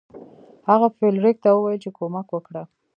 هغه فلیریک ته وویل چې کومک وکړه.